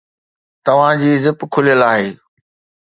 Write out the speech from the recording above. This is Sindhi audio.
توهان جي زپ کليل آهي